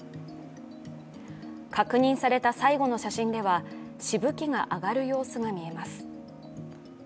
確認された最後の写真ではしぶきが上がる様子が見えます。